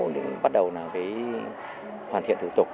để bắt đầu hoàn thiện thủ tục